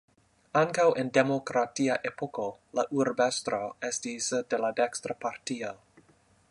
Ankaŭ en demokratia epoko la urbestro estis de la dekstra partio.